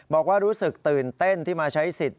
บอกว่ารู้สึกตื่นเต้นที่มาใช้สิทธิ